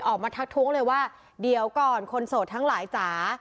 ทักท้วงเลยว่าเดี๋ยวก่อนคนโสดทั้งหลายจ๋า